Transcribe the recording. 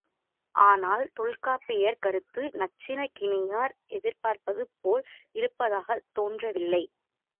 ஆனால், தொல்காப்பியர் கருத்து நச்சினார்க்கினியர் எதிர்பார்ப்பது போல் இருப்பதாகத் தோன்றவில்லை.